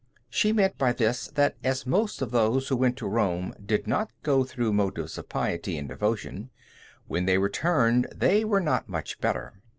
She meant by this that as most of those who went to Rome did not go through motives of piety and devotion, when they returned they were not much better.